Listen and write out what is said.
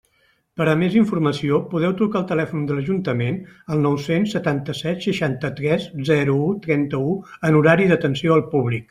Per a més informació podeu trucar al telèfon de l'Ajuntament, al nou-cents setanta-set, seixanta-tres, zero u, trenta-u, en horari d'atenció al públic.